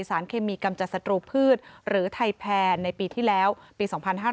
สารเคมีกำจัดศัตรูพืชหรือไทยแพนในปีที่แล้วปี๒๕๕๙